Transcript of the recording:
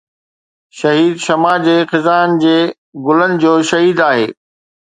شهيد شمع جي خزان جي گلن جو شهيد آهي